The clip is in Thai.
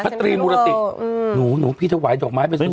พระตรีมูลติกหนูพี่จะไหว้ดอกไม้ไปสุดส่วนแล้ว